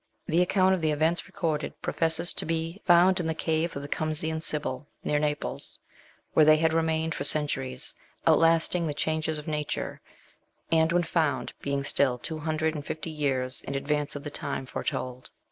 The account of the events recorded professes to be found in the cave of the Cumsean Sibyl, near Naples, where they had remained for centuries, outlasting the changes of nature and, when found, being still two hundred nnd fifty years in advance of the time LITERARY WORK. 187 foretold.